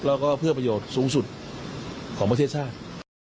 แล้วก็เพื่อประโยชน์สูงสุดของประเทศชาติ